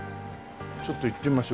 ちょっと行ってみましょう。